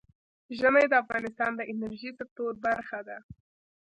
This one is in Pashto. ژمی د افغانستان د انرژۍ سکتور برخه ده.